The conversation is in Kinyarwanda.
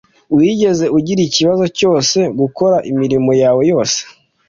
Wigeze ugira ikibazo cyo gukora imirimo yawe yose?